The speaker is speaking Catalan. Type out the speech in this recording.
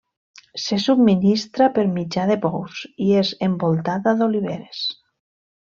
Se subministra per mitjà de pous, i és envoltada d'oliveres.